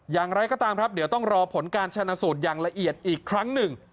อย่างไรก็ตามครับเดี๋ยวต้องรอผลการชนะสูตรอย่างละเอียดอีกครั้งหนึ่ง